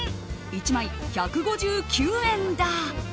１枚、１５９円だ。